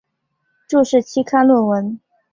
注释期刊论文